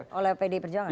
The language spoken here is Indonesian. yang diusul oleh pdip